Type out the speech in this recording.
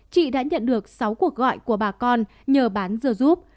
chị đã nhận được sáu cuộc gọi của bà con nhờ bán dưa rút